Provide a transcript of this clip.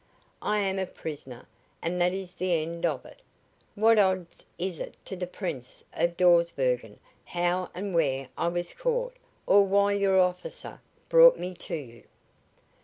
I am a prisoner, and that is the end of it. What odds is it to the Prince of Dawsbergen how and where I was caught or why your officer brought me to you?"